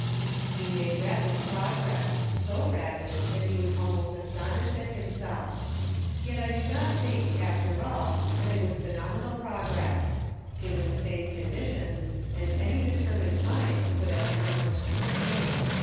He made rapid progress ; so rapid that he was almost astonished at himself. Yet I do not think, after all, that it was phenomenal progress. Given the same conditions and any determined mind would have accomplished the same.